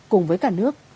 cùng với cả nước